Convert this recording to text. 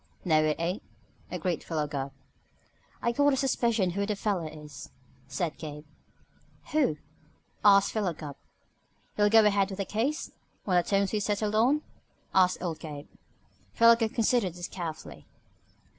"No, it ain't," agreed Philo Gubb. "I got a suspicion who the feller is," said Gabe. "Who?" asked Philo Gubb. "You'll go ahead with the case? On the terms we settled on?" asked old Gabe. Philo Gubb considered this carefully.